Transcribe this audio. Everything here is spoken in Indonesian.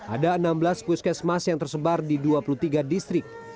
ada enam belas puskesmas yang tersebar di dua puluh tiga distrik